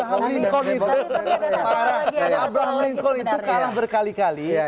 abraham linkol itu kalah berkali kali